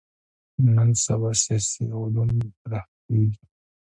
نن سبا سیاسي علومو مطرح کېږي.